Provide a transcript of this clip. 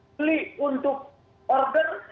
beli untuk order